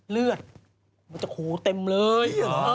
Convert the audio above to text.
เลือดโถโฮเต็มเลยอี่หรอ